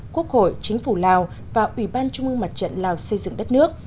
quốc hội chính phủ lào và ủy ban trung mương mặt trận lào xây dựng đất nước